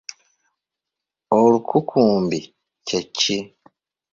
Olukukumbi kye ki?